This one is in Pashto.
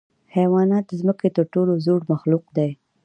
حیوانات د ځمکې تر ټولو زوړ مخلوق دی.